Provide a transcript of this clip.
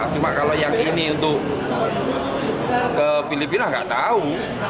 cuma kalau yang ini untuk ke filipina nggak tahu